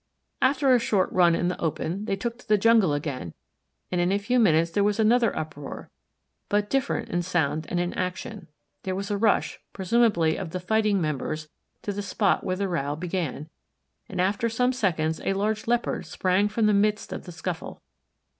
After a short run in the open they took to the jungle again, and in a few minutes there was another uproar, but different in sound and in action; there was a rush, presumably of the fighting members, to the spot where the row began, and after some seconds a large Leopard sprang from the midst of the scuffle.